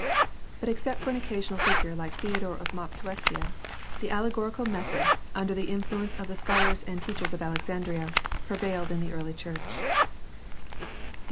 But except for an occasional figure like Theodore of Mopsuestia, the allegorical method, under the influence of the scholars and teachers of Alexandria, pre vailed in the early church.